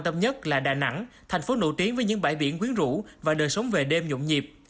tâm nhất là đà nẵng thành phố nổi tiếng với những bãi biển quyến rũ và đời sống về đêm nhộn nhịp